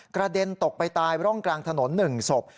กระเด็นตกไปตายร่องกลางถนน๑ศพ